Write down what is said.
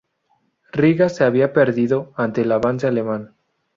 Riga se había perdido ante el avance alemán.